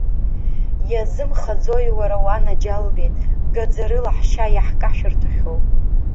Иазымхаӡои, уара, уанаџьалбеит, гаӡарыла ҳшьа иаҳкашәырҭәахьоу?!